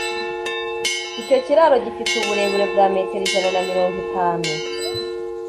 Icyo kiraro gifite uburebure bwa metero ijana na mirongo itanu